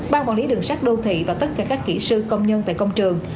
bang quản lý đường sát đô thị và tất cả các kỹ sư công nhân tại công trường